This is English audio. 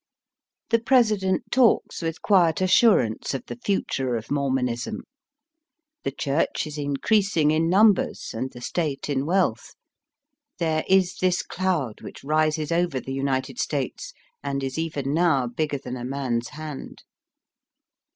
The President talks with quiet assurance of the future of Mormonism. The Church is increasing in numbers and the State in wealth. There is this cloud which rises over the United States and is even now bigger than a man's hand.